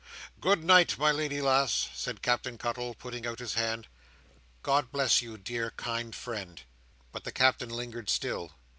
"Good night, my lady lass!" said Captain Cuttle, putting out his hand. "God bless you, dear, kind friend!" But the Captain lingered still.